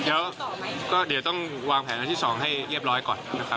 โดยที่ไม่ได้เป็นเรื่องเกี่ยวกับเงื่อนไขอย่างที่เราคิดก็ได้นะครับ